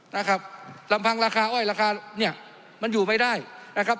นะครับลำพังราคาอ้อยราคาเนี่ยมันอยู่ไม่ได้นะครับ